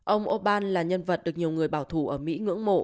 ông orbán là nhân vật được nhiều người bảo thủ ở mỹ ngưỡng mộ